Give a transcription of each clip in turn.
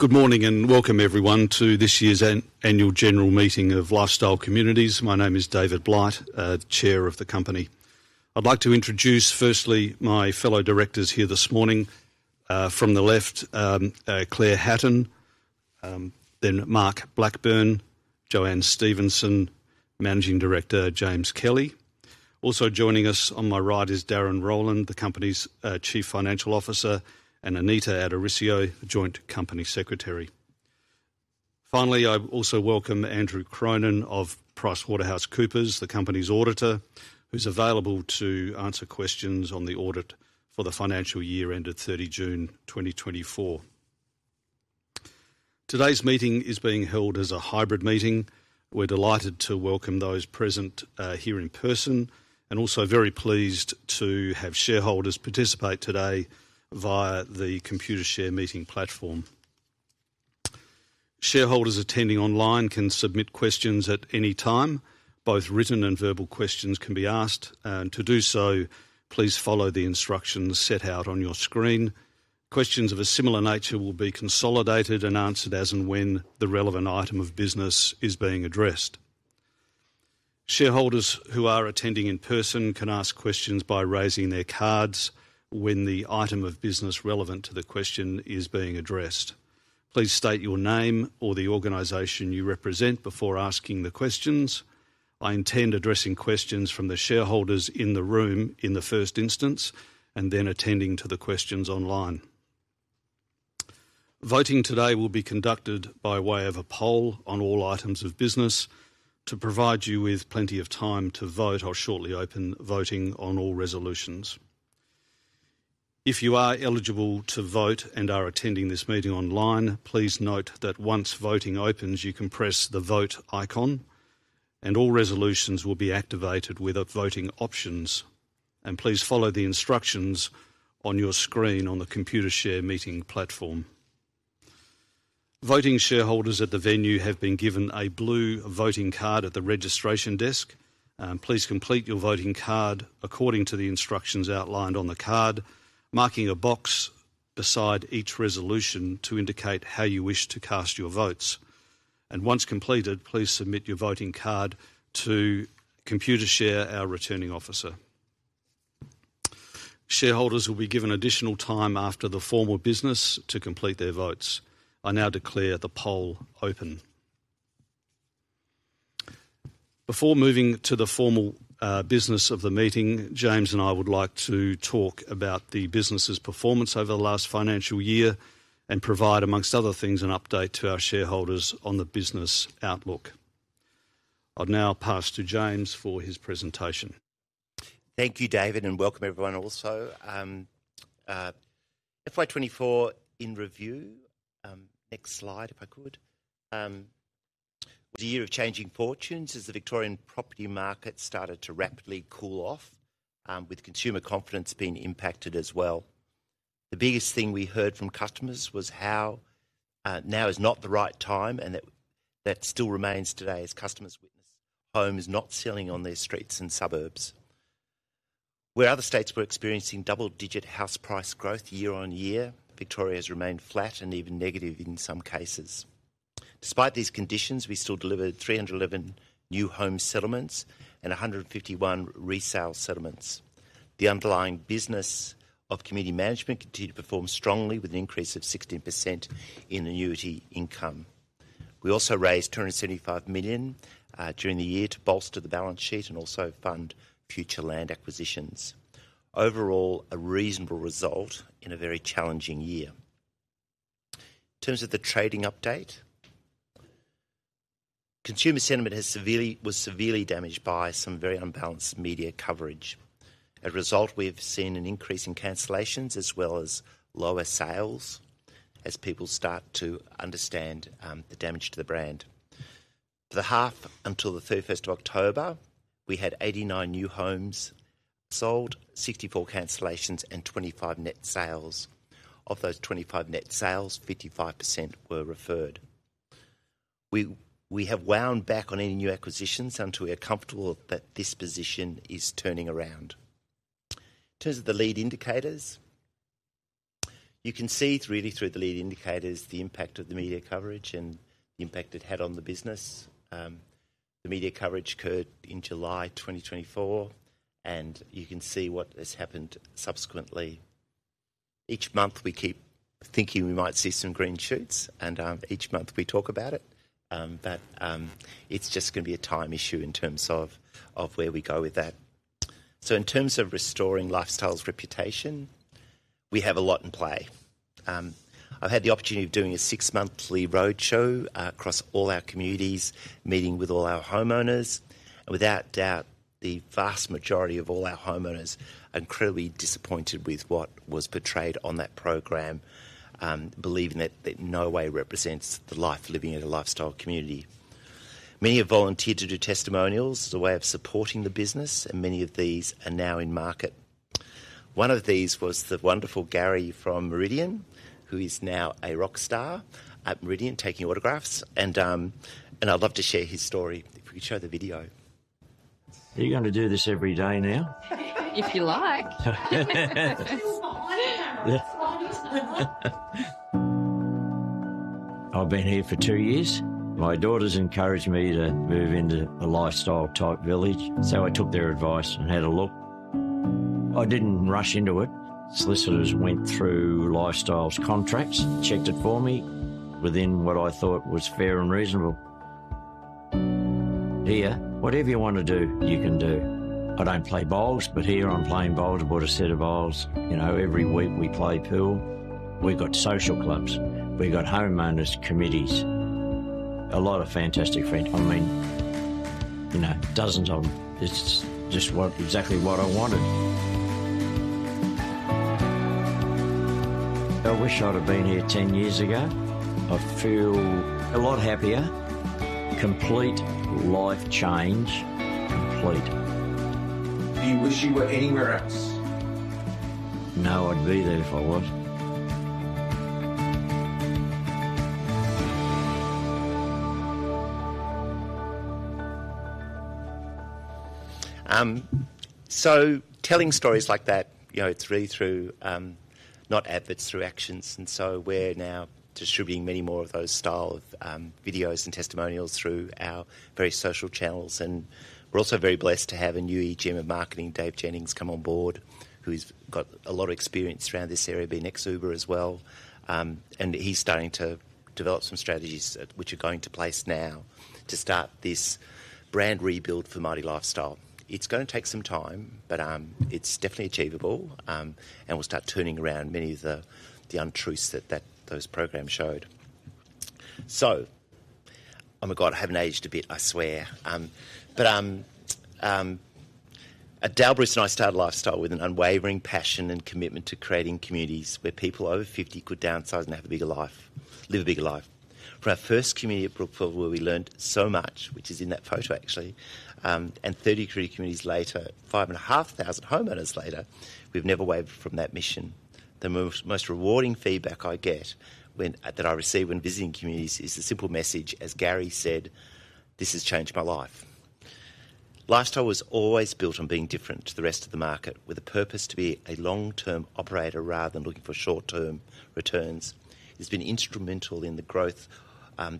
Good morning and welcome, everyone, to this year's annual general meeting of Lifestyle Communities. My name is David Blight, Chair of the company. I'd like to introduce firstly my fellow directors here this morning from the left, Claire Hatton, then Mark Blackburn, JoAnne Stephenson, Managing Director, James Kelly. Also joining us on my right is Darren Rowland, the company's Chief Financial Officer, and Anita Addorisio, Joint Company Secretary. Finally, I also welcome Andrew Cronin of PricewaterhouseCoopers, the company's auditor, who's available to answer questions on the audit for the financial year ended 30 June 2024. Today's meeting is being held as a hybrid meeting. We're delighted to welcome those present here in person and also very pleased to have shareholders participate today via the Computershare meeting platform. Shareholders attending online can submit questions at any time. Both written and verbal questions can be asked and to do so, please follow the instructions set out on your screen. Questions of a similar nature will be consolidated and answered as and when the relevant item of business is being addressed. Shareholders who are attending in person can ask questions by raising their cards when the item of business relevant to the question is being addressed. Please state your name or the organization you represent before asking the questions. I intend addressing questions from the shareholders in the room in the first instance and then attending to the questions online. Voting today will be conducted by way of a poll on all items of business. To provide you with plenty of time to vote, I'll shortly open voting on all resolutions. If you are eligible to vote and are attending this meeting online. Please note that once voting opens, you can press the vote icon and all resolutions will be activated with voting options. And please follow the instructions on your screen on the Computershare meeting platform. Voting shareholders at the venue have been given a blue voting card at the registration desk. Please complete your voting card according to the instructions outlined on the card, marking a box beside each resolution to indicate how you wish to cast your votes. And once completed, please submit your voting card to Computershare, our Returning Officer. Shareholders will be given additional time after the formal business to complete their votes. I now declare the poll open before moving to the formal business of the meeting. James and I would like to talk about the business's performance over the last financial year and provide, amongst other things, an update to our shareholders on the business outlook. I'd now pass to James for his presentation. Thank you, David, and welcome everyone. Also, FY 2024 in review. Next slide, if I could. It was a year of changing fortunes as the Victorian property market started to rapidly cool off with consumer confidence being impacted as well. The biggest thing we heard from customers was how now is not the right time, and that still remains today as customers witness homes not selling on their streets and suburbs. Where other states were experiencing double-digit house price growth year on year, Victoria has remained flat and even negative in some cases. Despite these conditions, we still delivered 311 new home settlements and 151 resale settlements. The underlying business of community management continued to perform strongly with an increase of 16% in annuity income. We also raised 275 million during the year to bolster the balance sheet and also fund future land acquisitions. Overall, a reasonable result in a very challenging year. In terms of the trading update, consumer sentiment was severely damaged by some very unbalanced media coverage. As a result, we have seen an increase in cancellations as well as lower sales as people start to understand the damage to the brand. For the half until the 31st of October we had 89 new homes sold, 64 cancellations and 25 net sales. Of those 25 net sales, 55% were referred. We have wound back on any new acquisitions until we are comfortable that this position is turning around. In terms of the lead indicators, you can see really through the lead indicators the impact of the media coverage and the impact it had on the business. The media coverage occurred in July 2024 and you can see what has happened subsequently. Each month we keep thinking we might see some green shoots and each month we talk about it, but it's just going to be a time issue in terms of where we go with that. So in terms of restoring Lifestyle's reputation, we have a lot in play. I've had the opportunity of doing a six monthly roadshow across all our communities meeting with all our homeowners. And without doubt the vast majority of all our homeowners are incredibly disappointed with what was portrayed on that program, believing that no way represents the life living in a Lifestyle community. Many have volunteered to do testimonials as a way of supporting the business and many of these are now in market. One of these was the wonderful Gary from Meridian who is now a rock star at Meridian, taking autographs and I'd love to share his story if we could show the video. Are you going to do this every day now? If you like. I've been here for two years. My daughters encouraged me to move into a lifestyle type village. So I took their advice and had a look. I didn't rush into it. Solicitors went through Lifestyle's contracts, checked it for me within what I thought was fair and reasonable here, whatever you want. To do, you can do. I don't play bowls, but here I'm playing bowls. I bought a set of bowls. You know, every week we play pool, we've got social clubs, we got homeowners committees, a lot of fantastic friends, I mean, you know, dozens of them. It's just exactly what I wanted. I wish I'd have been here 10 years ago. I feel a lot happier. Happier. Complete life change. Complete. Do you wish you were anywhere else? No, I'd be there if I was. So telling stories like that, you know, it's really through not adverts, through actions. And so we're now distributing many more of those style of videos and testimonials through our various social channels. And we're also very blessed to have a new EGM of marketing, Dave Jennings come on board who's got a lot of experience around this area being ex-Uber as well. And he's starting to develop some strategies which are going to take place now to start this brand rebuild for our Lifestyle. It's going to take some time but it's definitely achievable and we'll start turning around many of the untruths that those programs showed. Oh my God, I haven't aged a bit, I swear. But Dael, Bruce and I started Lifestyle with an unwavering passion and commitment to creating communities where people over 50 could downsize and have a bigger life, live a bigger life. For our first community at Brookfield where we learned so much, which is in that photo actually and 30 career communities later, five and a half thousand homeowners later, we've never wavered from that mission. The most rewarding feedback I get that I receive when visiting communities is the simple message, as Gary said, this has changed my life. Lifestyle was always built on being different to the rest of the market with a purpose to be a long-term operator rather than looking for short-term returns. It's been instrumental in the growth of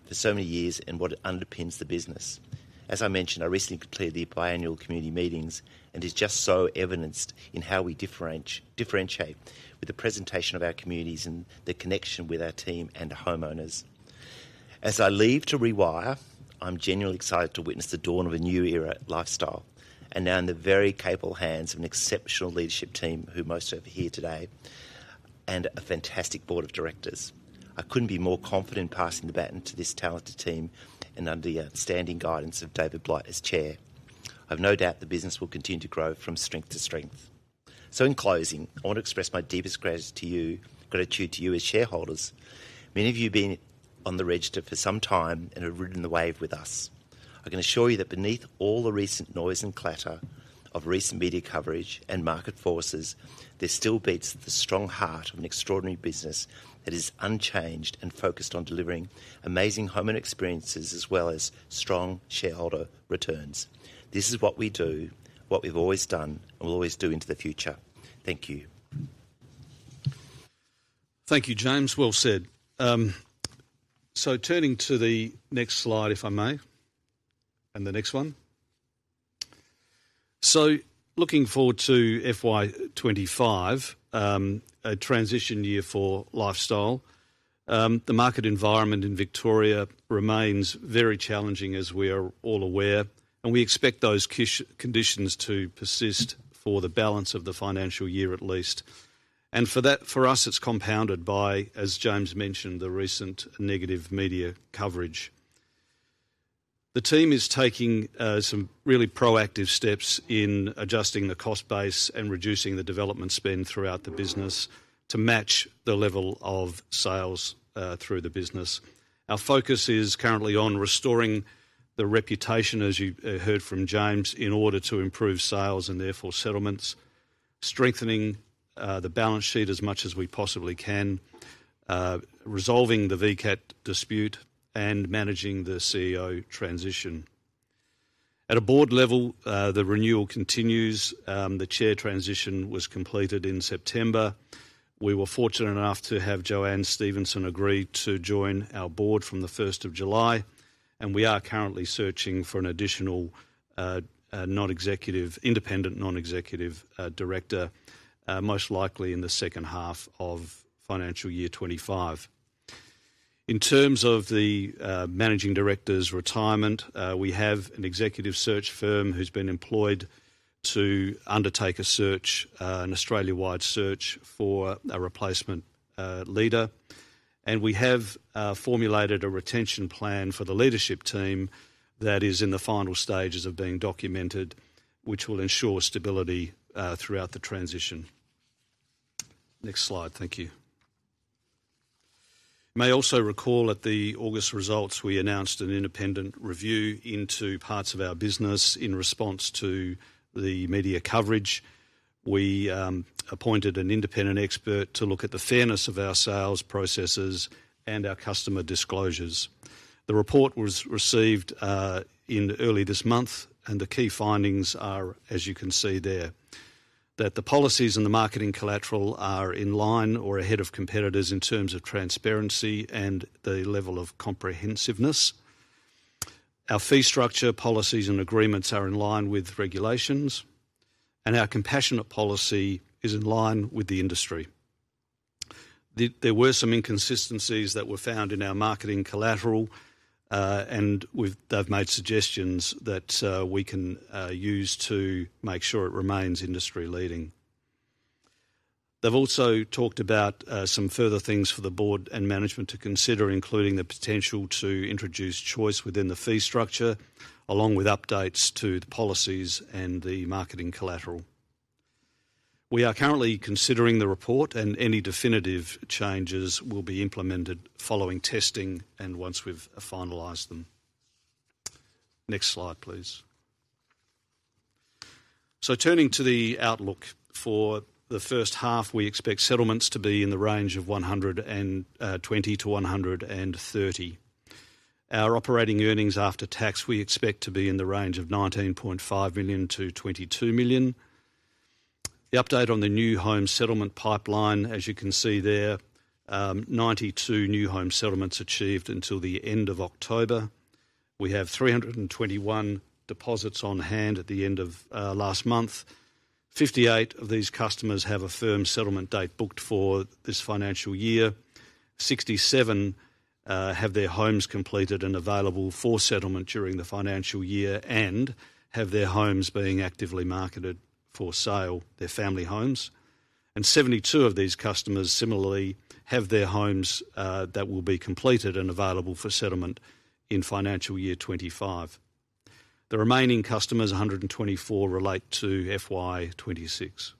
for so many years and what underpins the business. As I mentioned, I recently completed the biannual community meetings and is just so evidenced in how we differentiate with the presentation of our communities and the connection with our team and homeowners. As I leave to rewire, I'm genuinely excited to witness the dawn of a new era for Lifestyle and now in the very capable hands of an exceptional leadership team who most of you here today know and a fantastic board of directors. I couldn't be more confident passing the baton to this talented team and under the outstanding guidance of David Blight as Chair. I have no doubt the business will continue to grow from strength to strength. So in closing, I want to express my deepest gratitude to you as shareholders. Many of you have been on the register for some time and have ridden the wave with us. I can assure you that beneath all the recent noise and clatter of recent media coverage and market forces, this still beats at the strong heart of an extraordinary business that is unchanged and focused on delivering amazing homeowner experiences as well as strong shareholder returns. This is what we do, what we've always done and will always do into the future. Thank you. Thank you James. Well said. So, turning to the next slide if I may, and the next one. So looking forward to FY 2025, a transition year for Lifestyle. The market environment in Victoria remains very challenging as we are all aware and we expect those conditions to persist for the balance of the financial year at least. And for us it's compounded by, as James mentioned, the recent negative media coverage. The team is taking some really proactive steps in adjusting the cost base and reducing the development spend throughout the business to match the level of sales through the business. Our focus is currently on restoring the reputation, as you heard from James, in order to improve sales and therefore settlements, strengthening the balance sheet as much as we possibly can, resolving the VCAT dispute and managing the CEO transition at a board level. The renewal continues. The chair transition was completed in September. We were fortunate enough to have JoAnne Stephenson agree to join our board from the 1st of July and we are currently searching for an additional Non-Executive Independent Non-Executive Director, most likely in the second half of financial year 2025. In terms of the Managing Director's retirement, we have an executive search firm who's been employed to undertake a search, an Australia-wide search for a replacement leader and we have formulated a retention plan for the leadership team that is in the final stages of being documented which will ensure stability throughout the transition. Next slide. Thank you. You may also recall at the August results we announced an independent review into parts of our business. In response to the media coverage, we appointed an independent expert to look at the fairness of our sales processes and our customer disclosures. The report was received in early this month and the key findings are, as you can see there, that the policies and the marketing collateral are in line or ahead of competitors in terms of transparency and the level of comprehensiveness. Our fee structure, policies and agreements are in line with regulations and our compassionate policy is in line with the industry. There were some inconsistencies that were found in our marketing collateral and they've made suggestions that we can use to make sure it remains industry leading. They've also talked about some further things for the Board and management to consider, including the potential to introduce choice within the fee structure, along with updates to the policies and the marketing collateral. We are currently considering the report and any definitive changes will be implemented following testing and once we've finalized them. Next slide, please. So, turning to the outlook for the first half, we expect settlements to be in the range of 120-130. Our operating earnings after tax, we expect to be in the range of 19.5 million-22 million. The update on the new home settlement pipeline. As you can see there, 92 new home settlements achieved until the end of October. We have 321 deposits on hand at the end of last month. 58 of these customers have a firm settlement date booked for this financial year. 67 have their homes completed and available for settlement during the financial year and have their homes being actively marketed for sale, their family homes. And 72 of these customers similarly have their homes that will be completed and available for settlement in financial year 2025. The remaining customers, 124, relate to FY 2026.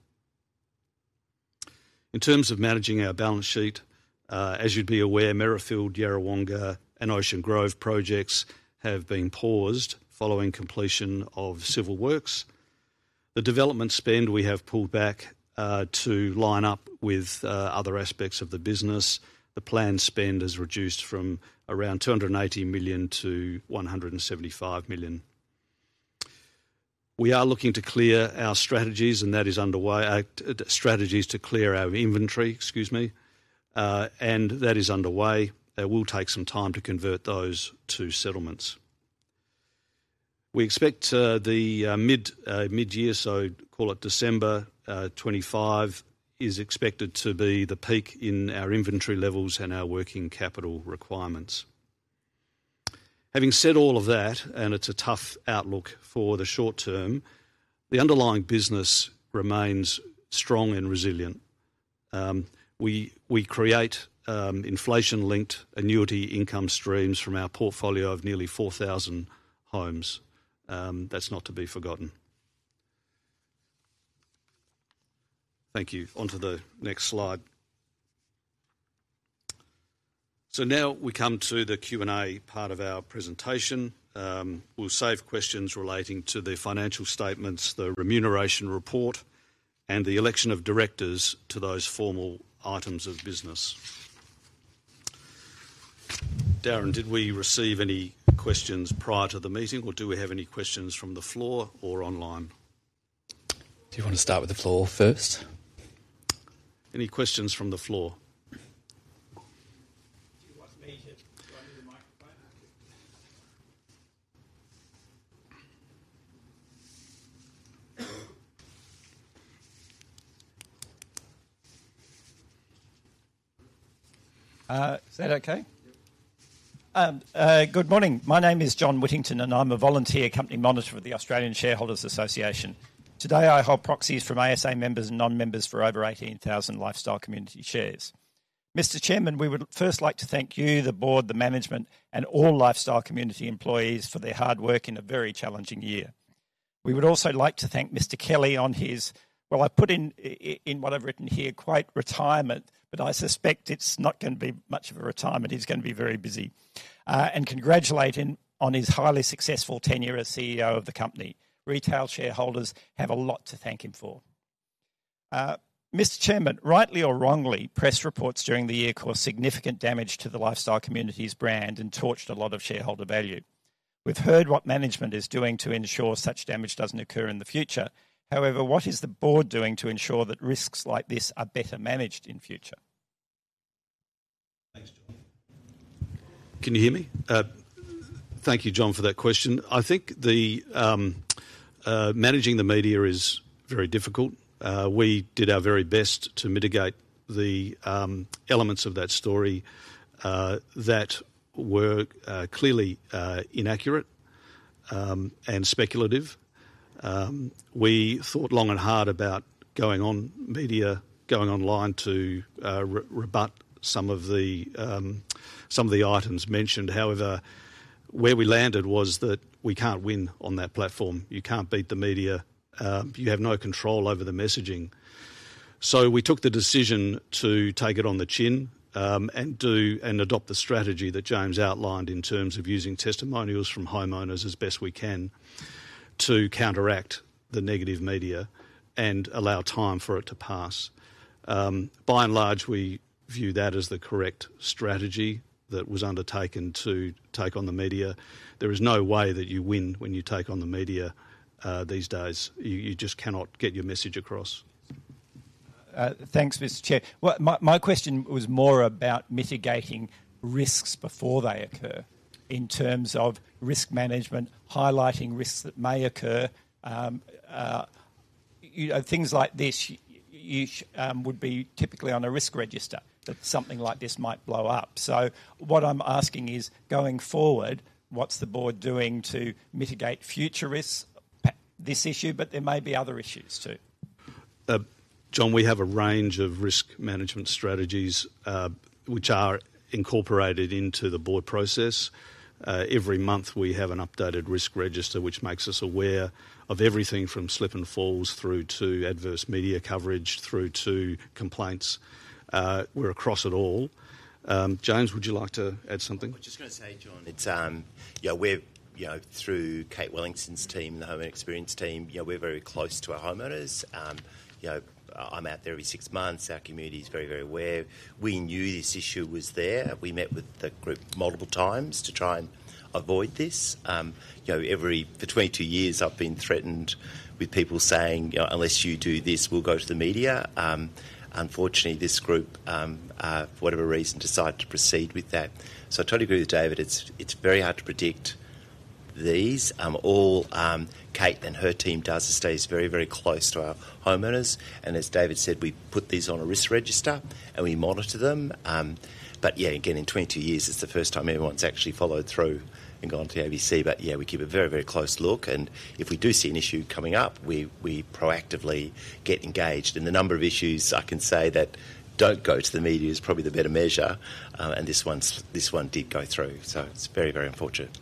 In terms of managing our balance sheet. As you'd be aware, Merrifield, Yarrawonga and Ocean Grove projects have been paused following completion of civil works. The development spend we have pulled back to line up with other aspects of the business. The planned spend has reduced from around 280 million-175 million. We are looking to clear our strategies and that is underway. Strategies to clear our inventory. Excuse me. And that is underway. It will take some time to convert those to settlements. We expect the mid year, so call it. December 25th is expected to be the peak in our inventory levels and our working capital requirements. Having said all of that and it's a tough outlook for the short-term. The underlying business remains strong and resilient. We create inflation linked annuity income streams from our portfolio of nearly 4,000 homes. That's not to be forgotten. Thank you. Onto the next slide. So now we come to the Q&A part of our presentation. We'll save questions relating to the financial statements, the remuneration report and the election of directors to those formal items of business. Darren, did we receive any questions prior to the meeting or do we have any questions from the floor or online? Do you want to start with the floor first? Any questions from the floor? Is that okay? Good morning. My name is John Whittington and I'm a volunteer company monitor of the Australian Shareholders Association. Today I hold proxies from ASA members and non-members for over 18,000 Lifestyle Communities shares. Mr. Chairman, we would first like to thank you, the Board, the management and all Lifestyle Communities employees for their hard work in a very challenging year. We would also like to thank Mr. Kelly on his. Well, I put in what I've written here, quote, retirement, but I suspect it's not going to be much of a retirement. He's going to be very busy and congratulate him on his highly successful tenure as CEO of the company. Retail shareholders have a lot to thank him for. Mr. Chairman, rightly or wrongly, press reports during the year caused significant damage to the Lifestyle Communities' brand and torched a lot of shareholder value. We've heard what management is doing to ensure such damage doesn't occur in the future. However, what is the Board doing to ensure that risks like this are better managed in future? Thanks, John, can you hear me? Thank you, John, for that question. I think the managing the media is very difficult. We did our very best to mitigate the elements of that story that were clearly inaccurate and speculative. We thought long and hard about going on media, going online to rebut some of the. Some of the items mentioned. However, where we landed was that we can't win on that platform. You can't beat the media. You have no control over the messaging. So we took the decision to take it on the chin and do and adopt the strategy that James outlined in terms of using testimonials from homeowners as best we can to counteract the negative media and allow time for it to pass. By and large, we view that as the correct strategy that was undertaken to take on the media. There is no way that you win when you take on the media these days. You just cannot get your message across. Thanks, Mr. Chair. My question was more about mitigating risks before they occur in terms of risk management, highlighting risks that may occur, things like this, you would be typically on a risk register that something like this might blow up. So what I'm asking is, going forward, what's the Board doing to mitigate future risks? This issue. But there may be other issues too, John. We have a range of risk management strategies which are incorporated into the Board process. Every month we have an updated risk register which makes us aware of everything from slip and falls through to adverse media coverage through to complaints. We're across it all. James, would you like to add something? I'm just going to say, John, it's, you know, we're you know, through Kate Wellington's team, the Homeowner Experience Team, you know, we're very close to our homeowners. You know, I'm out there every six months. Our community is very, very aware. We knew this issue was there. We met with the group multiple times to try and avoid this. You know, for 22 years, I've been threatened with people saying, you know, unless you do this, we'll go to the media. Unfortunately, this group, for whatever reason, decide to proceed with that. So I totally agree with David. It's very hard to predict these all. Kate and her team does stay very, very close to our homeowners. And as David said, we put these on a risk register and we monitor them. But, yeah, again, in 22 years, it's the first time anyone's actually followed through and gone to the ABC. But, yeah, we keep a very, very close look. And if we do see an issue coming up, we proactively get engaged. And the number of issues I can say that don't go to the media is probably the better measure. And this one did go through. So it's very, very unfortunate.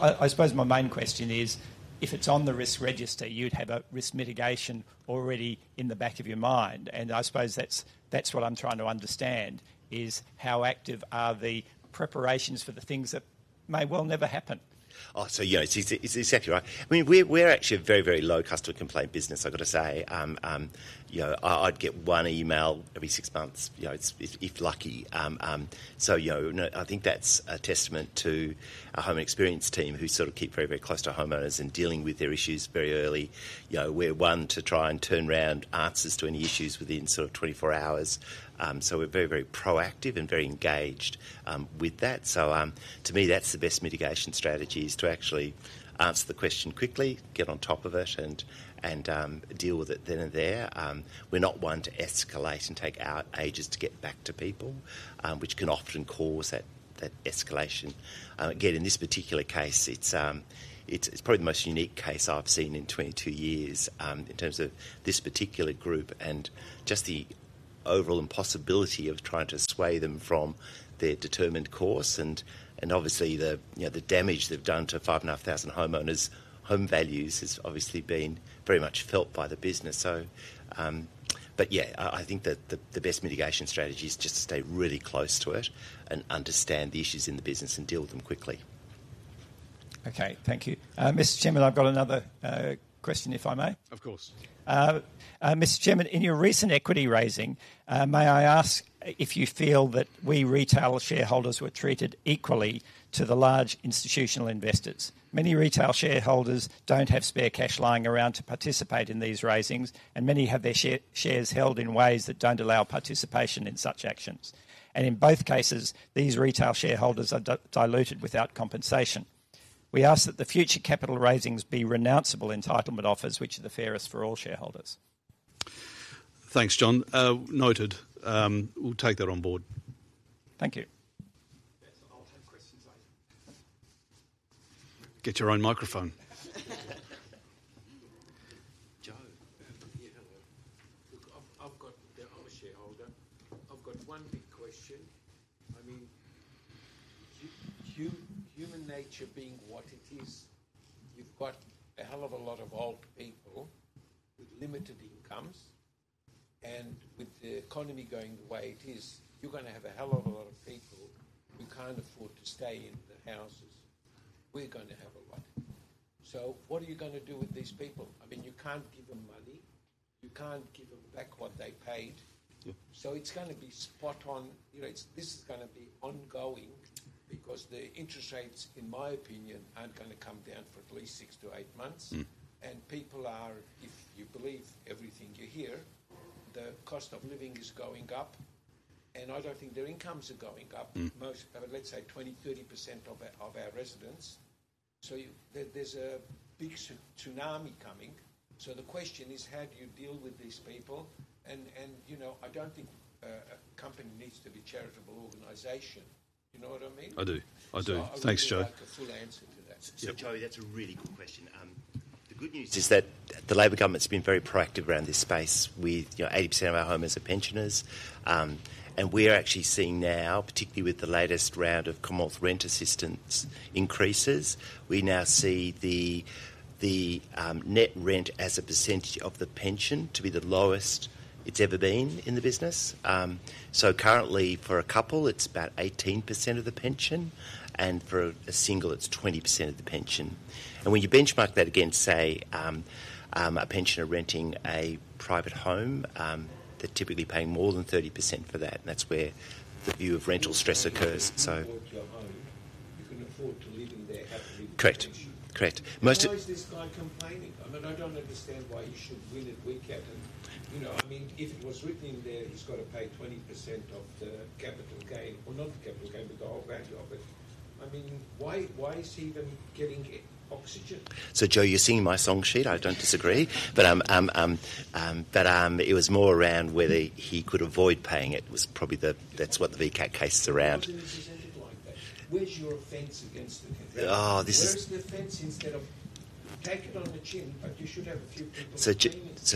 I suppose my main question is if it's on the risk register, you'd have a risk mitigation already in the back of your mind. And I suppose that's what I'm trying to understand is how active are the preparations for the things that may well never happen. So, you know, it's exactly right. I mean, we're actually a very, very low customer complaint business, I gotta say. You know, I'd get one email every six months, you know, if lucky. So, you know, I think that's a testament to a home experience team who sort of keep very, very close to homeowners and dealing with their issues very early. You know, we're one to try and turn around answers to any issues within sort of 24 hours. So we're very, very proactive and very engaged with that. So to me, that's the best mitigation strategy is to actually answer the question quickly, get on top of it and deal with it then and there. We're not one to escalate and take ages to get back to people, which can often cause that escalation. Again, in this particular case, it's probably the most unique case I've seen in 22 years in terms of this particular group and just the overall impossibility of trying to sway them from their determined course and obviously the damage they've done to five and a half thousand homeowners. Home values has obviously been very much felt by the business, but yeah, I think that the best mitigation strategy is just to stay really close to it and understand the issues in the business and deal with them quickly. Okay, thank you. Mr. Chairman. I've got another question, if I may. Of course. Mr. Chairman, in your recent equity raising, may I ask if you feel that we retail shareholders were treated equally to the large institutional investors? Many retail shareholders don't have spare cash lying around to participate in these raisings, and many have their shares held in ways that don't allow participation in such actions, and in both cases, these retail shareholders are diluted without compensation. We ask that the future capital raisings be renounceable entitlement offers which are the fairest for all shareholders. Thanks, John. Noted. We'll take that on board. Thank you. Get your own microphone. Joe. I'm a shareholder. I've got one big question. I mean. Human nature being what it is, you've got a hell of a lot of old people with limited incomes and with the economy going the way it is, you're going to have a hell of a lot of people who can't afford to stay in the houses. We're going to have a lot. So what are you going to do with these people? I mean, you can't give them money, you can't give them back what they paid. So it's going to be spot on. This is going to be ongoing because the interest rates, in my opinion, aren't going to come down for at least six to eight months. And people are, if you believe everything you hear, the cost of living is going up. And I don't think their incomes are going up. Most, let's say 20%-30% of our residents. So there's a big tsunami coming. So the question is, how do you deal with these people? And, you know, I don't think a company needs to be a charitable organization. You know what I mean? I do, I do. Thanks, Joe. A full answer to that, Joe. That's a really good question. The good news is that the Labor government's been very proactive around this space with 80% of our homeowners are pensioners. And we are actually seeing now, particularly with the latest round of Commonwealth Rent Assistance increases, we now see the net rent as a percentage of the pension to be the lowest it's ever been in the business. So currently for a couple, it's about 18% of the pension and for a single, it's 20% of the pension. And when you benchmark that against, say, a pensioner renting a private home, they're typically paying more than 30% for that. And that's where the view of rental stress occurs, so. Correct, correct. Why is this guy complaining? I mean, I don't understand why you should win at VCAT, you know, I mean, if it was written in there, he's got to pay 20% of the capital gain, or not the capital gain, but the whole value of it. I mean, why? Why is he even getting oxygen? So, Joe, you're singing my song sheet. I don't disagree, but it was more around whether he could avoid paying. It was probably the. That's what the VCAT case is around. So,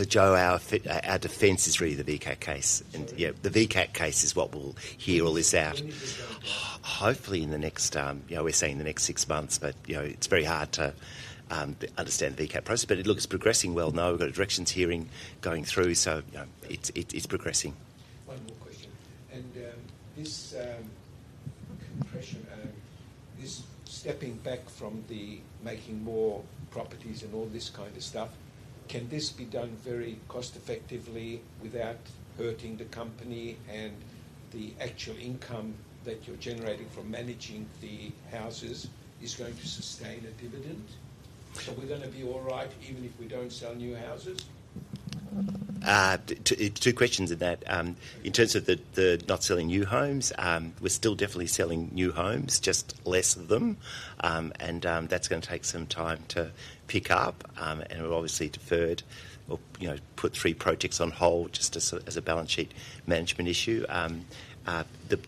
Joe, our defense is really the VCAT case. And yeah, the VCAT case is what will hear all this out, hopefully in the next. We're saying the next six months, but, you know, it's very hard to understand VCAT process. But it looks progressing well. Now we've got a directions hearing going through, so it's progressing. One more question. And this compression, this stepping back from the making more properties and all this kind of stuff, can this be done very cost effectively without hurting the company? And the actual income that you're generating from managing the houses is going to sustain a dividend. So we're going to be all right even if we don't sell new houses. Two questions in that, in terms of the not selling new homes, we're still definitely selling new homes, just less of them. And that's going to take some time to pick up. And we're obviously deferred or, you know, put three projects on hold just as a balance sheet management issue. The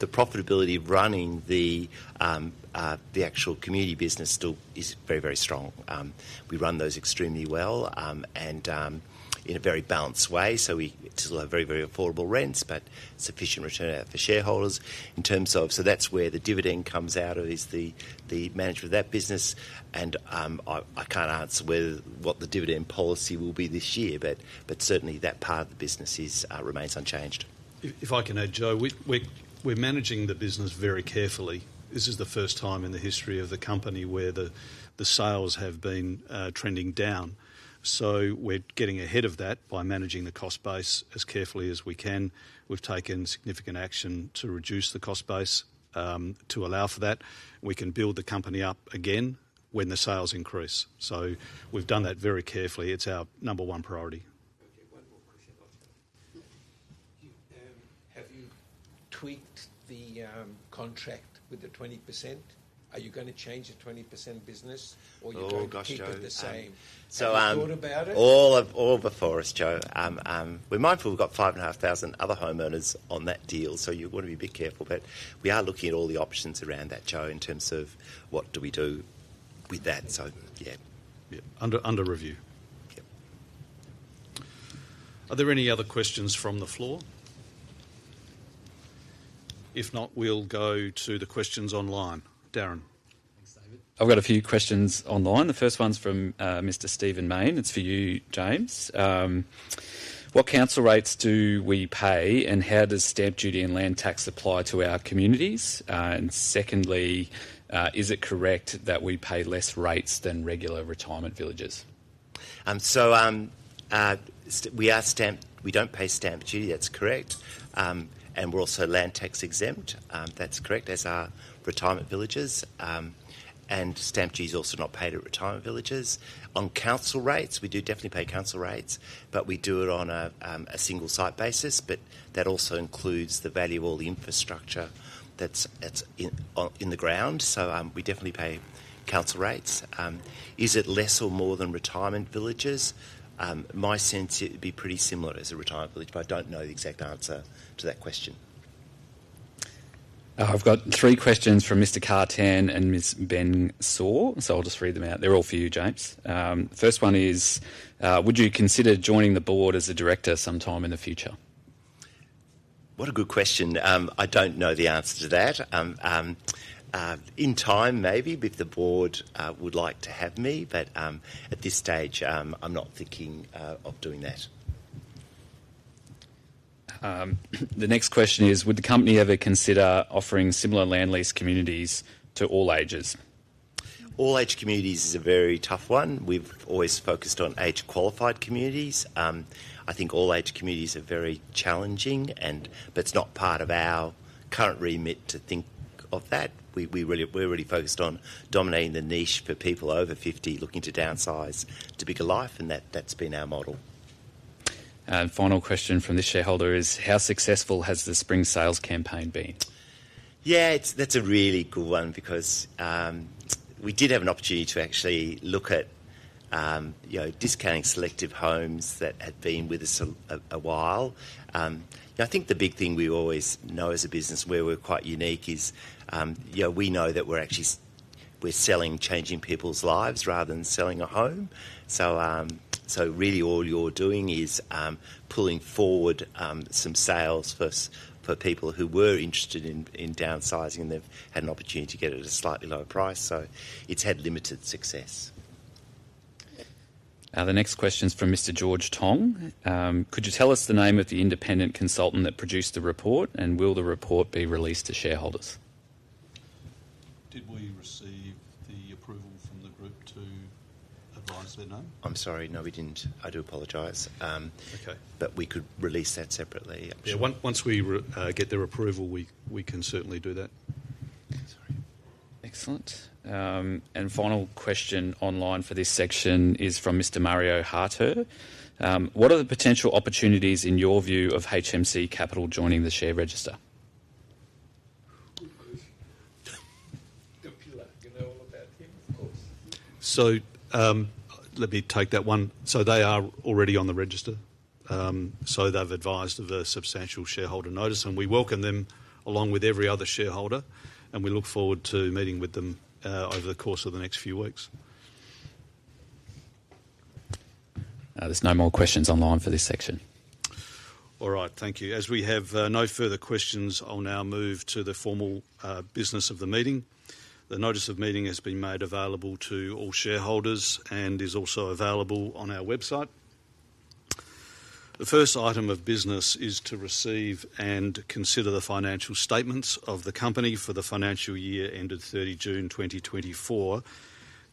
profitability running the actual community business still is very, very strong. We run those extremely well and in a very balanced way. So we still have very, very affordable rents, but sufficient return for shareholders in terms of. So that's where the dividend comes out of, is the manager of that business. And I can't answer what the dividend policy will be this year, but certainly that part of the business remains unchanged. If I can add, Joe, we're managing the business very carefully. This is the first time in the history of the company where the sales have been trending down. So we're getting ahead of that by managing the cost base as carefully as we can. We've taken significant action to reduce the cost base to allow for that. We can build the company up again when the sales increase. So we've done that very carefully. It's our number one priority. Have you tweaked the contract with the 20%? Are you going to change the 20% business or you do the same? Have you thought about it all before us, Joe? We're mindful we've got 5,500 other homeowners on that deal, so you want to be a bit careful. But we are looking at all the options around that, Joe, in terms of what do we do with that. So, yeah, under review. Are there any other questions from the floor? If not, we'll go to the questions online. Darren, I've got a few questions online. The first one's from Mr. Stephen Mayne. It's for you, James. What council rates do we pay and how does stamp duty and land tax apply to our communities? And secondly, is it correct that we pay less rates than regular retirement villages? So we don't pay stamp duty? That's correct. And we're also land tax exempt? That's correct, as are retirement villages. And stamp duty is also not paid at retirement villages on council rates. We do definitely pay council rates, but we do it on a single site basis. But that also includes the value of all the infrastructure that's in the ground, so we definitely pay council rates. Is it less or more than retirement villages? My sense, it would be pretty similar as a retirement village, but I don't know the exact answer to that question. I've got three questions from Mr. Kattan and Mr. Ben Soar, so I'll just read them out. They're all for you, James. First one is, would you consider joining the Board as a director sometime in the future? What a good question. I don't know the answer to that. In time, maybe, if the Board would like to have me, but at this stage I'm not thinking of doing that. The next question is, would the company ever consider offering similar land lease communities to all ages? All aged communities is a very tough one. We've always focused on age qualified communities. I think all age communities are very challenging. But it's not part of our current remit to think of that. We're really focused on dominating the niche for people over 50 looking to downsize to bigger life and that's been our model. Final question from this shareholder is how successful has the spring sales campaign been? Yeah, that's a really good one because we did have an opportunity to actually look at, you know, discounting selective homes that had been with us a while. I think the big thing we always know as a business where we're quite unique is, you know, we know that we're actually, we're selling, changing people's lives rather than selling a home. So really all you doing is pulling forward some sales for people who were interested in downsizing and they've had an opportunity to get it at a slightly lower price. So it's had limited success. The next question is from Mr. George Tong. Could you tell us the name of the independent consultant that produced the report and will the report be released to shareholders? Did we receive the approval from the group to advise their name? I'm sorry, no, we didn't. I do apologize, but we could release that separately. Yeah, once we get their approval, we can certainly do that. Excellent. And final question online for this section is from Mr. Mario Hartur. What are the potential opportunities, in your view of HMC Capital joining the share register? So let me take that one. So they are already on the register. So they've advised of a substantial shareholder notice and we welcome them along with every other shareholder and we look forward to meeting with them over the course of the next few weeks. There's no more questions online for this section. All right, thank you. As we have no further questions, I'll now move to the formal business of the meeting. The notice of meeting has been made available to all shareholders and is also available on our website. The first item of business is to receive and consider the financial statements of the company for the financial year ended 30 June 2024,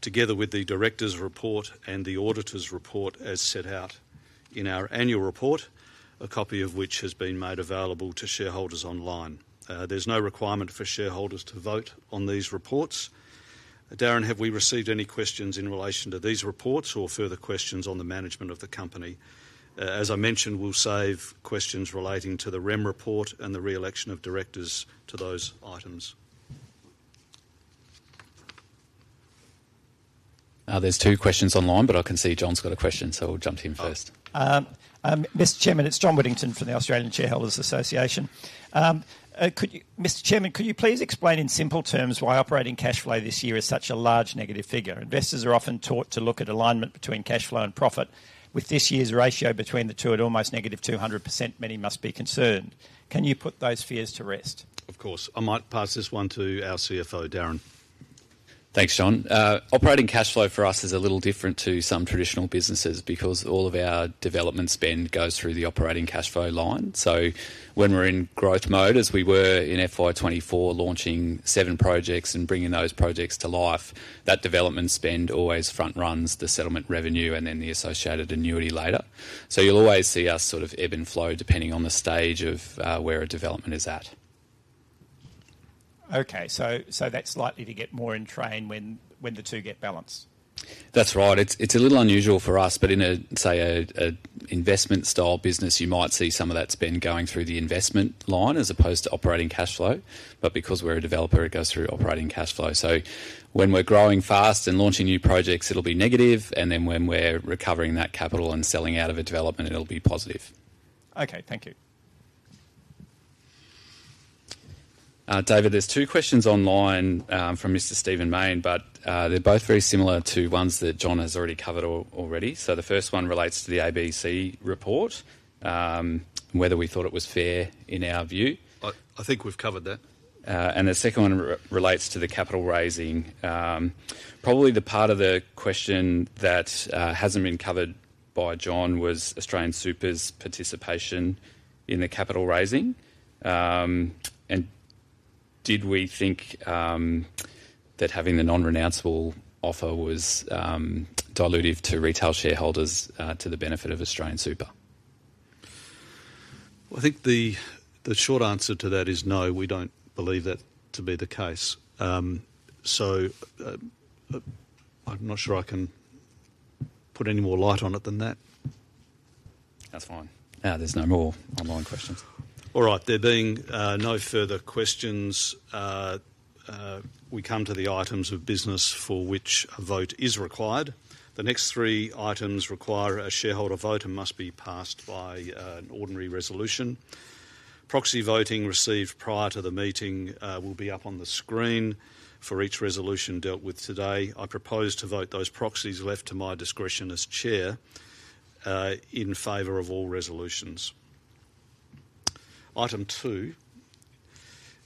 together with the Directors' report and the auditor's report as set out in our annual report, a copy of which has been made available to shareholders online. There's no requirement for shareholders to vote on these reports. Darren, have we received any questions in relation to these reports or further questions on the management of the company? As I mentioned, we'll save questions relating to the remuneration report and the re-election of directors to those items. There's two questions online, but I can see John's got a question, so we'll jump in. First. Mr. Chairman, it's John Whittington from the Australian Shareholders Association. Mr. Chairman, could you please explain in simple terms why operating cash flow this year is such a large negative figure? Investors are often taught to look at alignment between cash flow and profit. With this year's ratio between the two at almost negative 200%, many must be concerned. Can you put those fears to rest? Of course. I might pass this one to our CFO, Darren. Thanks, John. Operating cash flow for us is a little different to some traditional businesses because all of our development spend goes through the operating cash flow line. So when we're in growth mode as we were in FY 2024, launching seven projects and bringing those projects to life. That development spend always front-runs the settlement revenue and then the associated annuity later. So you'll always see us sort of ebb and flow depending on the stage of where a development is at. Okay, so that's likely to get more in train when the two get balanced. That's right. It's a little unusual for us, but in say an investment style business you might see some of that spend going through the investment line as opposed to operating cash flow. But because we're a developer, it goes through operating cash flow. So when we're growing fast and launching new projects, it'll be negative and then when we're recovering that capital and selling out of development, it'll be positive. Okay, thank you. David. There's two questions online from Mr. Stephen Mayne, but they're both very similar to ones that John has already covered. So the first one relates to the ABC report, whether we thought it was fair in our view. I think we've covered that. The second one relates to the capital raising. Probably the part of the question that hasn't been covered by John was AustralianSuper's participation in the capital raising and did we think that having the non-renounceable offer was dilutive to retail shareholders to the benefit of AustralianSuper? I think the short answer to that is no. We don't believe that to be the case. So I'm not sure I can put any more light on it than that. That's fine. Now there's no more online questions. All right, there being no further questions, we come to the items of business for which a vote is required. The next three items require a shareholder vote and must be passed by an ordinary resolution. Proxy voting received prior to the meeting will be up on the screen for each resolution dealt with today. I propose to vote those proxies left to my discretion as Chair in favour of all resolutions. Item two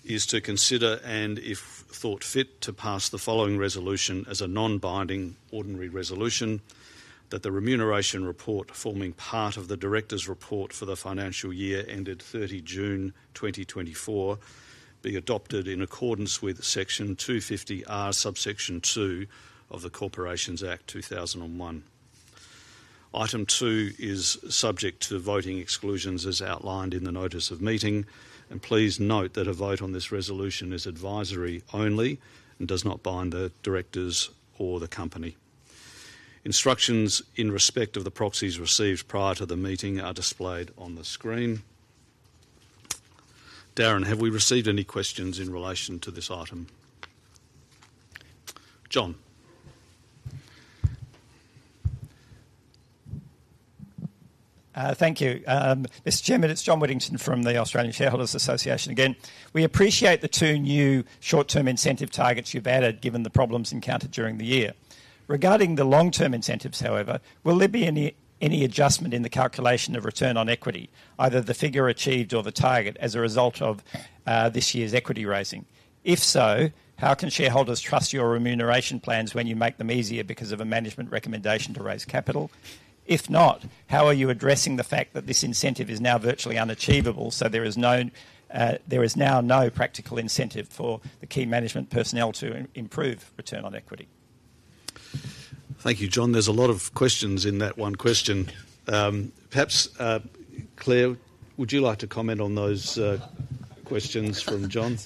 is to consider and if thought fit to pass the following resolution as a non-binding ordinary resolution that the Remuneration Report forming part of the Directors' Report for the financial year ended 30 June 2024 be adopted in accordance with section 250R subsection 2 of the Corporations Act 2001. Item 2 is subject to voting exclusions as outlined in the notice of meeting. And please note that a vote on this resolution is advisory only and does not bind the directors or the company. Instructions in respect of the proxies received prior to the meeting are displayed on the screen. Darren, have we received any questions in relation to this item? John? Thank you, Mr. Chairman, it's John Whittington from the Australian Shareholders Association. Again, we appreciate the two new short-term incentive targets you've added given the problems encountered during the year regarding the long-term incentives. However, will there be any adjustment in the calculation of return on equity, either the figure achieved or the target as a result of this year's equity raising? If so, how can shareholders trust your remuneration plans when you make them easier because of a management recommendation to raise capital? If not, how are you addressing the fact that this incentive is now virtually unachievable? So there is now no practical incentive for the key management personnel to improve return on equity. Thank you, John. There's a lot of questions in that. One question perhaps. Claire, would you like to comment on those questions from John?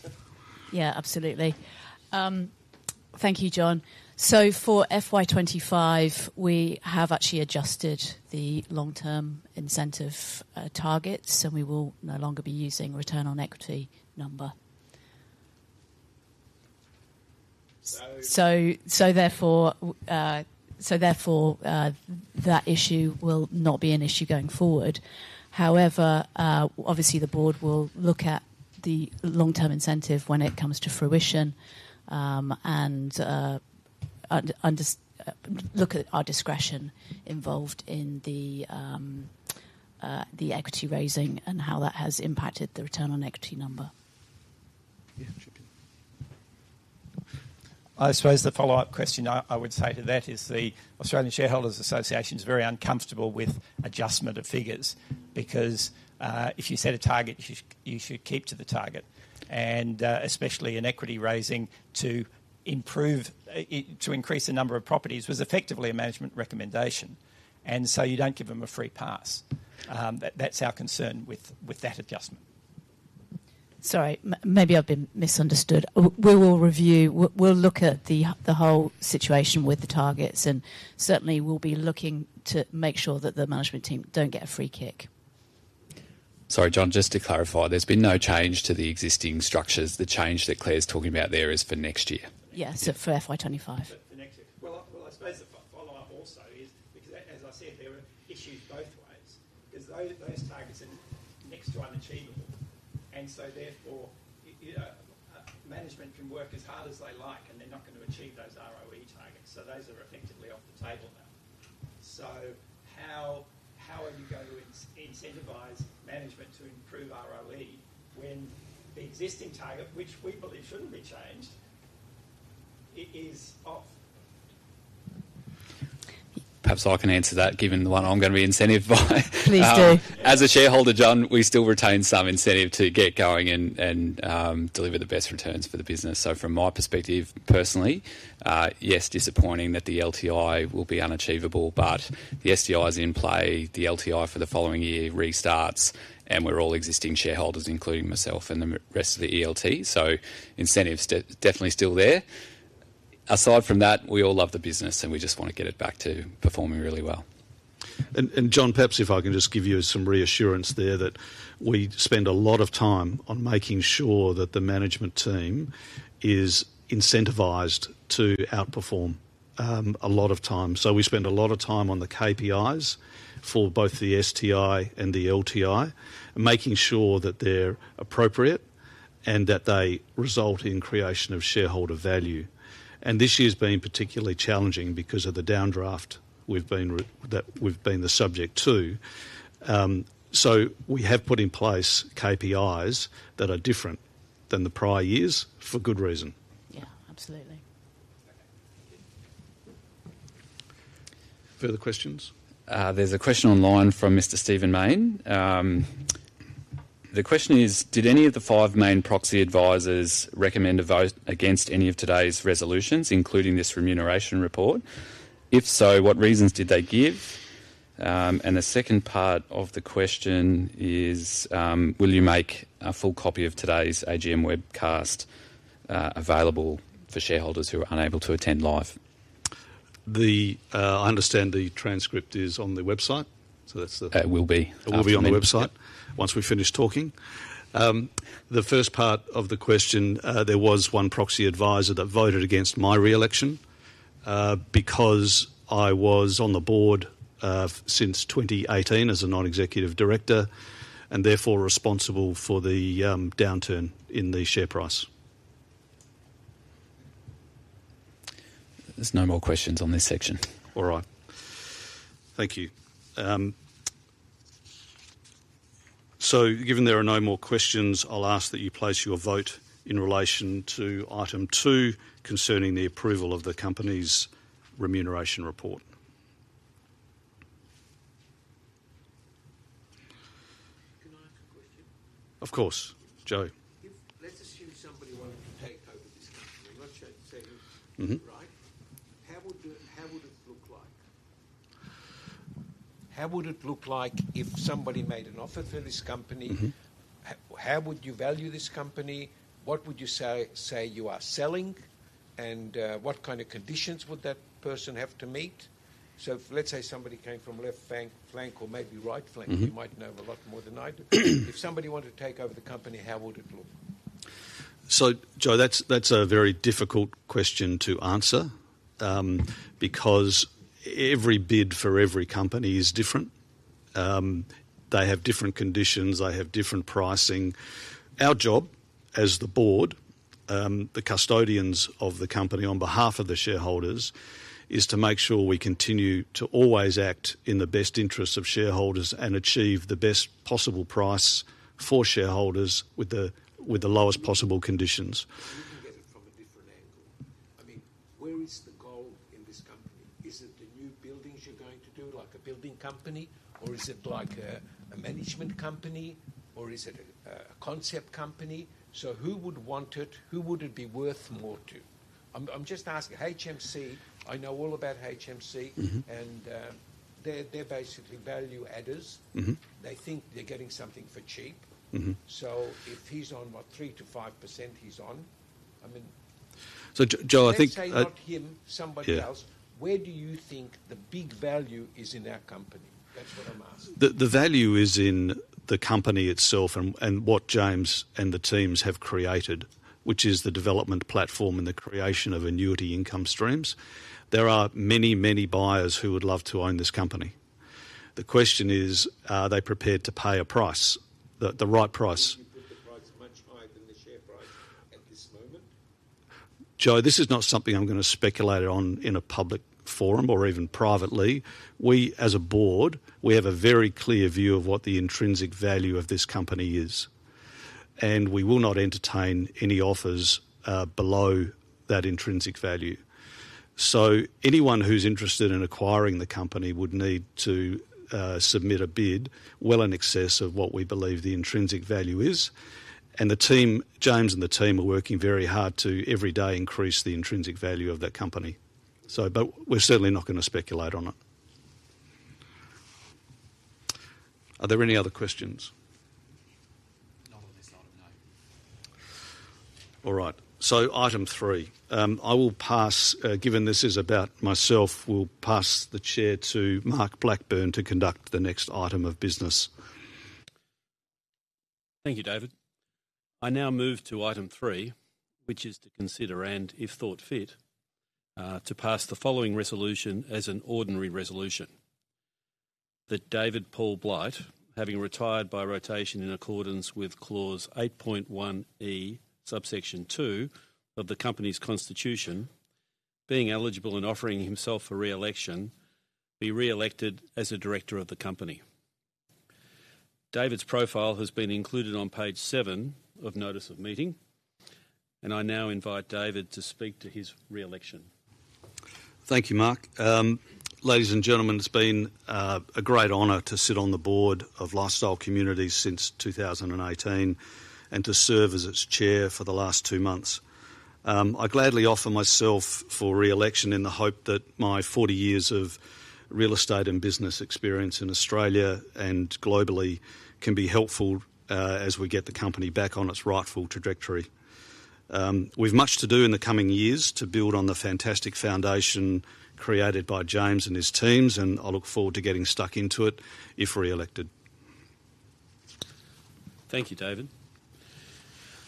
Yeah, absolutely. Thank you, John. So for FY 2025 we have actually adjusted the long-term incentive targets and we will no longer be using return on equity number. So therefore that issue will not be. An issue going forward. However, obviously the Board will look at. The long-term incentive when it comes. To fruition and look at our discretion. Involved in the equity raising and how that has impacted the return on equity number. I suppose the follow up question I would say to that is the Australian Shareholders Association is very uncomfortable with adjustment of figures because if you set a target, you should keep to the target and especially in equity raising to improve, to increase the number of properties was effectively a management recommendation and so you don't give them a free pass. That's our concern with that adjustment. Sorry, maybe I've been misunderstood. We will review, we'll look at the whole situation with the targets and certainly we'll be looking to make sure that the management team don't get a free kick. Sorry John, just to clarify, there's been no change to the existing structures, the change that Claire's talking about there is for next year? Yes, for FY 2025. I suppose the follow up also is because as I said, there are issues both ways because those targets are next to unachievable and so therefore management can work as hard as they like and they're not going to achieve those ROE targets. So those are effectively off the table now. So how are you going to incentivize management to improve ROE when the existing target, which we believe shouldn't be changed, is off? Perhaps I can answer that given the one I'm going to be incentivized by. Please do. As a shareholder, John, we still retain some incentive to get going and deliver the best returns for the business. So from my perspective personally, yes, disappointing that the LTI will be unachievable, but the STI is in play. The LTI for the following year restarts and we're all existing shareholders, including myself and the rest of the ELT, so incentives definitely still there. Aside from that, we all love the business and we just want to get it back to performing really well. And, John, perhaps if I can just give you some reassurance there that we spend a lot of time on making sure that the management team is incentivized to outperform. A lot of time. So we spend a lot of time on the KPIs for both the STI and the LTI, making sure that they're appropriate and that they result in creation of shareholder value. And this year's been particularly challenging because of the downdraft that we've been the subject to. So we have put in place KPIs that are different than the prior years for good reason. Yeah, absolutely. Further questions? There's a question online from Mr. Stephen Mayne. The question is, did any of the five main proxy advisers recommend a vote against any of today's resolutions, including this remuneration report? If so, what reasons did they give? And the second part of the question is, will you make a full copy of today's AGM webcast available for shareholders who are unable to attend live? I understand the transcript is on the website, so that's the. It will be. It will be on the website once we finish talking the first part of the question. There was one proxy adviser that voted against my re-election because I was on the Board since 2018 as a Non-Executive Director and therefore responsible for the downturn in the share price. There's no more questions on this section. All right, thank you. So, given there are no more questions, I'll ask that you place your vote in relation to item 2 concerning the approval of the company's Remuneration Report. Can I ask a question? Of course, Joe. Let's assume somebody wanted to take over this company, right? How would it look like? How would it look like? If somebody made an offer for this company, how would you value this company? What would you say you are selling and what kind of conditions would that person have to meet? So let's say somebody came from left flank or maybe right flank. You might know a lot more than I do. If somebody wanted to take over the company, how would it look? So, Joe, that's a very difficult question to answer because every bid for every company is different. They have different conditions, they have different pricing. Our job as the Board, the custodians of the company, on behalf of the shareholders is to make sure we continue to always act in the best interest of shareholders and achieve the best possible price for shareholders with the lowest possible conditions. You can get it from a different angle. I mean, where is the goal in this company? Is it the new buildings you're going to do like a building company or, or is it like a management company or is it a concept company? So who would want it? Who would it be worth more to? I'm just asking. HMC. I know all about HMC and they're basically value adders. They think they're getting something for cheap. So if he's on what, 3%-5%, he's on. I mean, so Joe, I think somebody else. Where do you think the big value is in our company? That's what I'm asking. The value is in the company itself and what James and the teams have created, which is the development platform and the creation of annuity income streams. There are many, many buyers who would love to own this company. The question is, are they prepared to pay a price, the right price, much? Higher than the share price? Joe, this is not something I'm going to speculate on in a public forum or even privately. We as a board, we have a very clear view of what the intrinsic value of this company is and we will not entertain any offers below that intrinsic value. So anyone who's interested in acquiring the company would need to submit a bid well in excess of what we believe the intrinsic value is. And the team, James and the team are working very hard to every day increase the intrinsic value of that company. But we're certainly not going to speculate on it. Are there any other questions? Alright, so item three I will pass. Given this is about myself, we'll pass the chair to Mark Blackburn to conduct the next item of business. Thank you, David. I now move to item three, which is to consider and if thought fit to pass the following resolution as an ordinary resolution that David Paul Blight, having retired by rotation in accordance with clause 8.1e subsection 2 of the Company's constitution, being eligible and offering himself for re-election, be re-elected as a director of the company. David's profile has been included on page seven of Notice of Meeting and I now invite David to speak to his re-election. Thank you, Mark. Ladies and gentlemen, it's been a great honor to sit on the Board of Lifestyle Communities since 2018 and to serve as its chair for the last two months. I gladly offer myself for re-election in the hope that my 40 years of real estate and business experience in Australia and globally can be helpful as we get the company back on its rightful trajectory. We've much to do in the coming years to build on the fantastic foundation created by James and his teams and I look forward to getting stuck into it if re-elected. Thank you, David.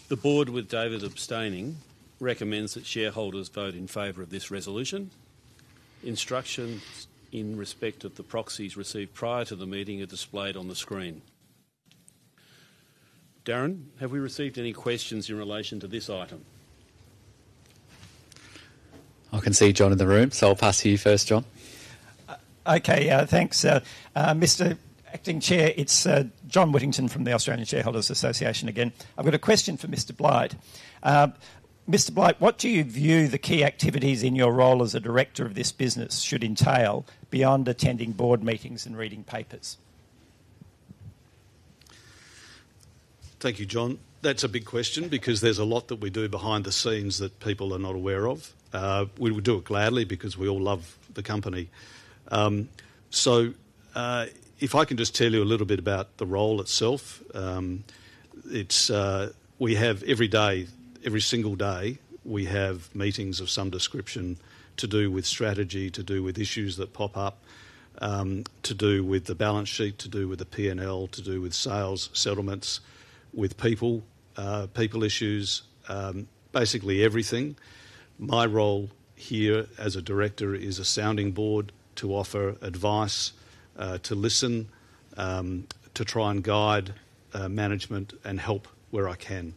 The Board, with David abstaining, recommends that shareholders vote in favor of this resolution. Instructions in respect of the proxies received prior to the meeting are displayed on the screen. Darren, have we received any questions in relation to this item? I can see John in the room, so I'll pass to you first, John. Okay, thanks. Mr. Acting Chair, it's John Whittington from the Australian Shareholders Association. Again I've got a question for Mr. Blight. Mr. Blight, what do you view the key activities in your role as a director of this business should entail beyond attending board meetings and reading papers? Thank you, John. That's a big question because there's a lot that we do behind the scenes that people are not aware of. We would do it gladly because we all love the company. So if I can just tell you a little bit about the role itself. We have every day, every single day we have meetings of some description. To do with strategy, to do with issues that pop up, to do with the balance sheet, to do with the P&L, to do with sales, settlements, with people, people, issues, basically everything. My role here as a director is a sounding board. To offer advice, to listen to, try and guide management and help where I can.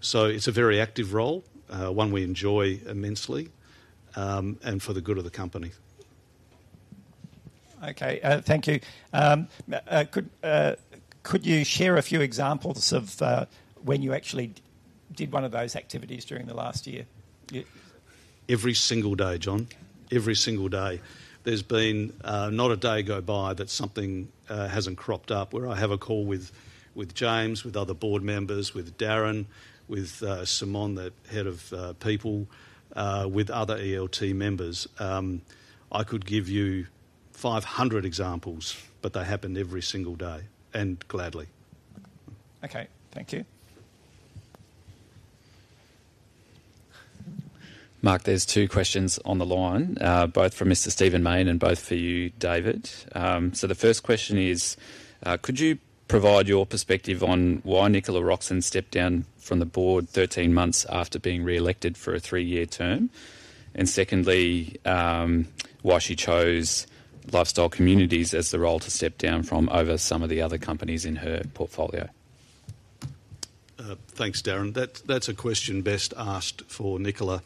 So it's a very active role, one we enjoy immensely and for the good of the company. Okay, thank you. Could you share a few examples of when you actually did one of those activities during the last year? Every single day, John. Every single day. There's been not a day go by that something hasn't cropped up where I have a call with James, with other board members, with Darren, with Simon, the head of people, with other ELT members. I could give you 500 examples but they happen every single day and gladly. Okay, thank you. Mark. There's two questions on the line, both from Mr. Stephen Mayne and both for you David. So the first question is could you provide your perspective on why Nicola Roxon stepped down from the Board 13 months after being re-elected for a three-year term? And secondly, why she chose Lifestyle Communities as the role to step down from over some of the other companies in her portfolio. Thanks, Darren. That's a question best asked for Nicola.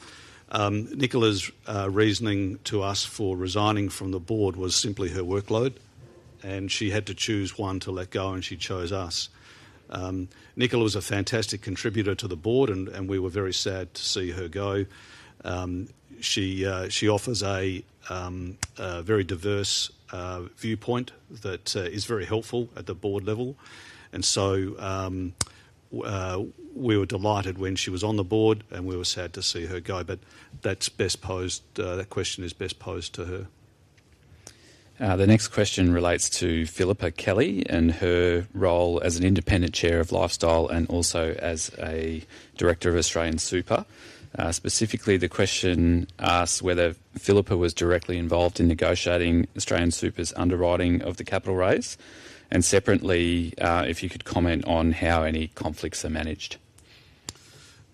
Nicola's reasoning to us for resigning from the Board was simply her workload and she had to choose one to let go and she chose us. Nicola was a fantastic contributor to the Board and we were very sad to see her go. She offers a very diverse viewpoint that is very helpful at the Board level and so we were delighted when she was on the Board and we were sad to see her go. But that's best posed. That question is best posed to her. The next question relates to Philippa Kelly and her role as an Independent Chair of Lifestyle and also as a Director of AustralianSuper. Specifically, the question asks whether Philippa was directly involved in negotiating AustralianSuper's underwriting of the capital raise. And separately, if you could comment on how any conflicts are managed,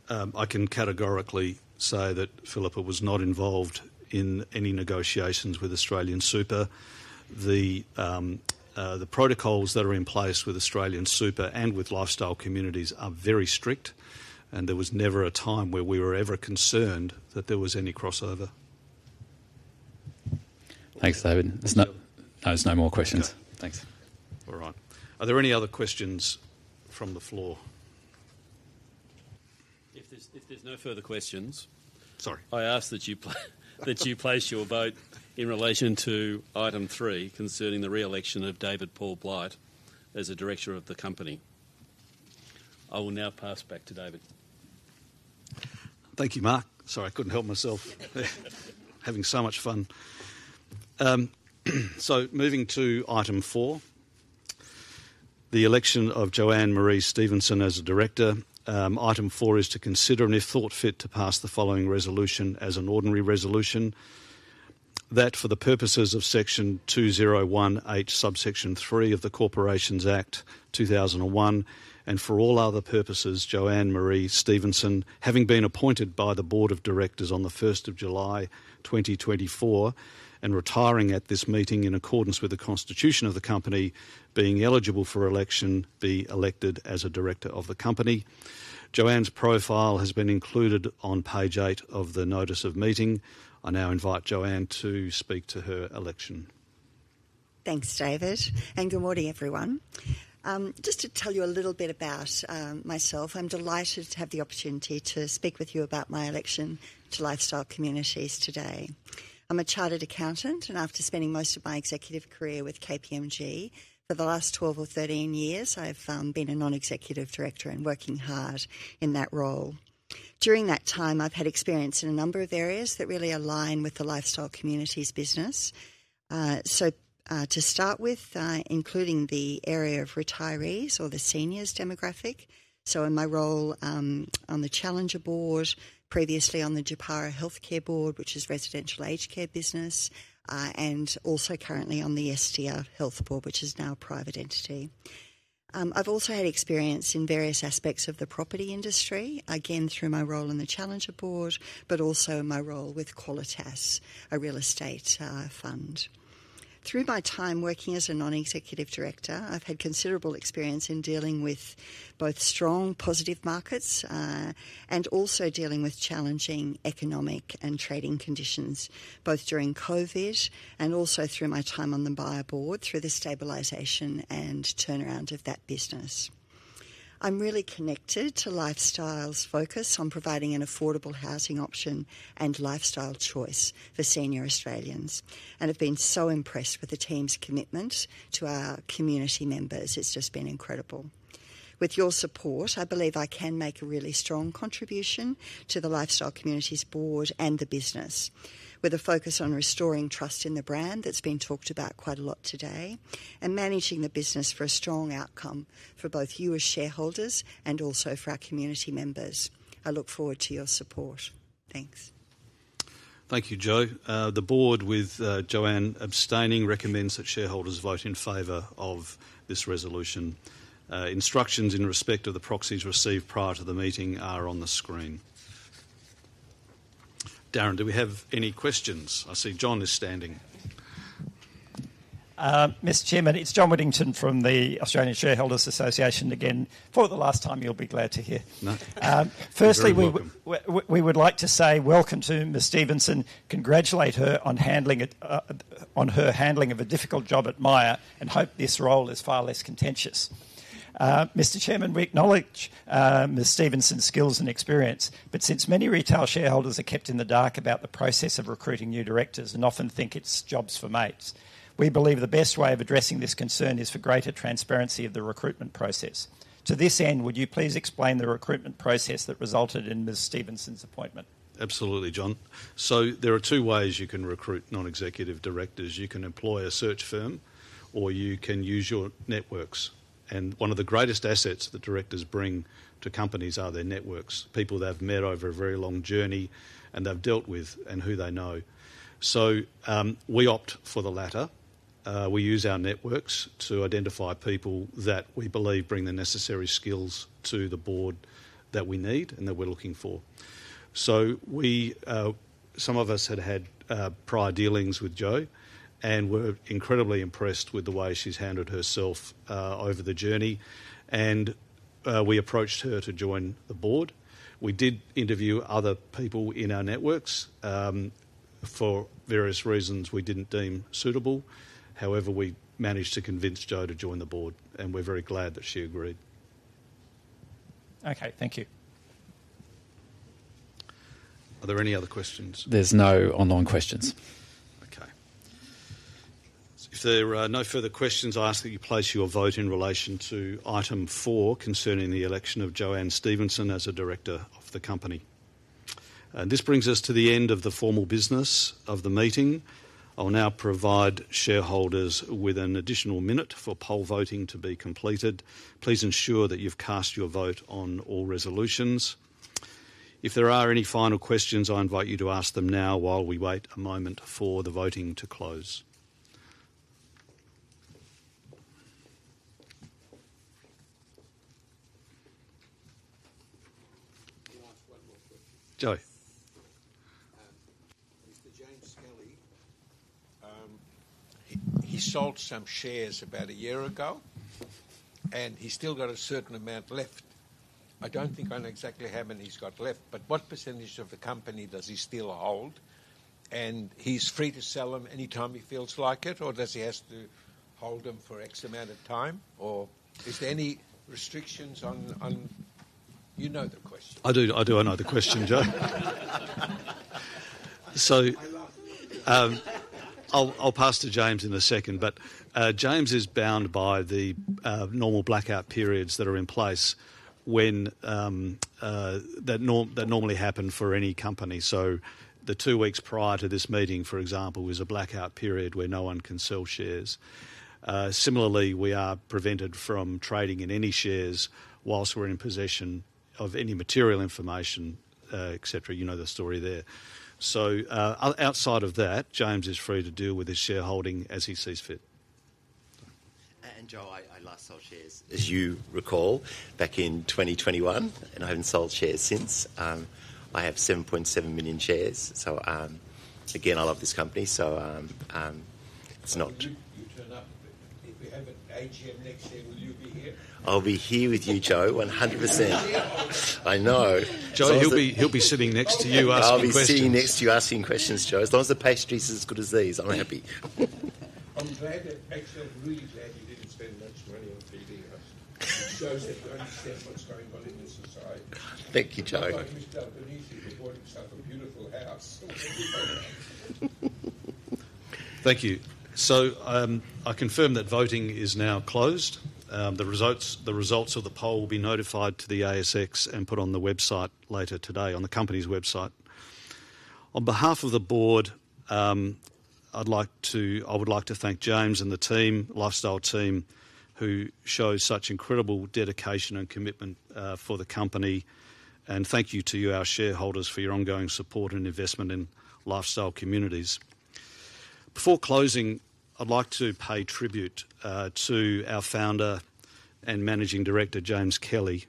I can. Categorically say that Philippa was not involved in any negotiations with AustralianSuper. The protocols that are in place with AustralianSuper and with Lifestyle Communities are very strict and there was never a time where we were ever concerned that there was any crossover. Thanks, David. There's no more questions. Thanks. Alright, are there any other questions from the floor? If there's no further questions, sorry. I ask that you place your vote in relation to item three concerning the re-election of David Blight as a Director of the company. I will now pass back to David. Thank you, Mark. Sorry, I couldn't help myself. Having so much fun. So, moving to item four, the election of JoAnne Stephenson as a Director. Item four is to consider and if thought fit to pass the following resolution as an ordinary resolution that for the purposes of section 201H subsection 3 of the Corporations Act 2001 and for all other purposes, JoAnne Marie Stephenson, having been appointed by the Board of Directors on 1st July 2024 and retiring at this meeting, in accordance with the constitution of the company, being eligible for election, be elected as a director of the company. JoAnne's profile has been included on page eight of the Notice of Meeting. I now invite JoAnne to speak to her election. Thanks, David, and good morning, everyone. Just to tell you a little bit about myself, I'm delighted to have the opportunity to speak with you about my election to Lifestyle Communities today. I'm a Chartered Accountant and after spending most of my executive career with KPMG for the last 12 or 13 years, I've been a Non-Executive Director and working hard in that role. During that time I've had experience in a number of areas that really align with the Lifestyle Communities business, so to start with, including the area of retirees or the seniors demographic. So in my role on the Challenger board, previously on the Japara Healthcare board which is residential aged care business, and also currently on the Estia Health board which is now a private entity. I've also had experience in various aspects of the property industry, again through my role in the Challenger Board, but also my role with Qualitas, a real estate fund. Through my time working as a Non-Executive Director, I've had considerable experience in dealing with both strong positive markets and also dealing with challenging economic and trading conditions both during COVID and also through my time on the Myer Board. Through the stabilization and turnaround of that business, I'm really connected to Lifestyle's focus on providing an affordable housing option and lifestyle choice for senior Australians and have been so impressed with the team's commitment to our community members. It's just been incredible. With your support I believe I can make a really strong contribution to the Lifestyle Communities Board and the business with a focus on restoring trust in the brand that's been talked about quite a lot today and managing the business for a strong outcome for both you as shareholders and also for our community members. I look forward to your support. Thanks. Thank you, Joe. The Board, with JoAnne abstaining, recommends that shareholders vote in favor of this resolution. Instructions in respect of the proxies received prior to the meeting are on the screen. Darren, do we have any questions? I see John is standing. Ms. Claire Hatton, Chairman, it's John Whittington from the Australian Shareholders Association again for the last time. You'll be glad to hear. Firstly, we would like to say welcome to Ms. Stephenson, congratulate her on her handling of a difficult job at Myer and hope this role is far less contentious. Mr. Chairman, we acknowledge Ms. Stephenson's skills and experience. But since many retail shareholders are kept in the dark about the process of recruiting new directors and often think it's jobs for mates, we believe the best way of addressing this concern is for greater transparency of the recruitment process. To this end, would you please explain the recruitment process that resulted in Ms. Stephenson's appointment? Absolutely, John. So there are two ways you can recruit Non-Executive Directors. You can employ a search firm or you can use your networks, and one of the greatest assets that directors bring to companies are their networks. People they've met over a very long journey they've dealt with and who they know. So we opt for the latter. We use our networks to identify people that we believe bring the necessary skills to the Board that we need and that we're looking for. So we, some of us had had prior dealings with Jo and were incredibly impressed with the way she's handled herself over the journey and we approached her to join the Board. We did interview other people in our networks for various reasons we didn't deem suitable. However, we managed to convince Jo to join the Board and we're very glad that she agreed. Okay, thank you. Are there any other questions? There's no online questions. Okay. If there are no further questions, I ask that you place your vote in relation to item four concerning the election of JoAnne Stephenson as a director of the company. This brings us to the end of the formal business of the meeting. I will now provide shareholders with an additional minute for poll voting to be completed. Please ensure that you've cast your vote on all resolutions. If there are any final questions, I invite you to ask them now while we wait a moment for the voting to close. Joe. Mr. James Kelly, he sold some shares about a year ago and he's still got a certain amount left. I don't know exactly how many he's got left, but what percentage of the company does he still hold and he's free to sell them anytime he feels like it, or does he have to hold them for an amount of time? Or is there any restrictions on, you know, the question. I do, I do. I know the question, Joe, so I'll pass to James in a second. But James is bound by the normal blackout periods that are in place when that normally happen for any company. So the two weeks prior to this meeting, for example, is a blackout period where no one can sell shares. Similarly, we are prevented from trading in any shares whilst we're in possession of any material information, etc. You know the story there. So outside of that, James is free to deal with his shareholding as he sees fit. Joe, I last sold shares, as you recall, back in 2021 and I haven't sold shares since. I have 7.7 million shares. So again, I love this company. So it's not. I'll be here with you, Joe, 100%. I know Joe. He'll be sitting next to you. I'll be sitting next to you asking questions. Joe, as long as the pastry is as good as these, I'm happy. I'm glad that. Actually, I'm really glad you didn't spend much money on feeding us. It shows that you understand what's going on in the society. Thank you, Joe. Thank you. So I confirm that voting is now closed. The results of the poll will be notified to the ASX and put on the website later today on the company's website. On behalf of the Board, I would like to thank James and the team, Lifestyle team, who show such incredible dedication and commitment for the company and thank you to you, our shareholders, for your ongoing support and investment in Lifestyle Communities. Before closing, I'd like to pay tribute to our founder and Managing Director, James Kelly,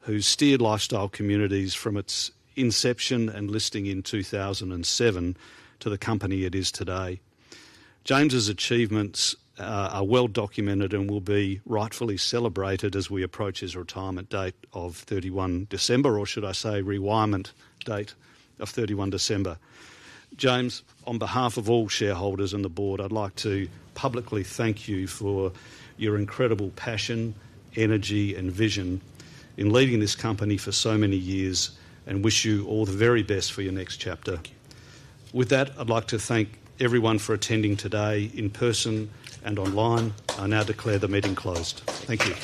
who steered Lifestyle Communities from its inception and listing in 2007 to the company it is today. James's achievements are well documented and will be rightfully celebrated as we approach his retirement date of 31 December, or should I say rewirement date of 31 December. James, on behalf of all shareholders and the Board, I'd like to publicly thank you for your incredible passion, energy and vision in leading this company for so many years and wish you all the very best for your next chapter. With that, I'd like to thank everyone for attending today in person and online. I now declare the meeting closed. Thank you.